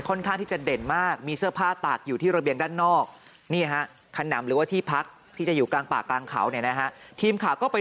ค่อนข้างที่จะเด่นมากมีเสื้อผ้าตากอยู่ที่ระเบียงด้านนอก